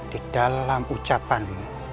di dalam ucapanmu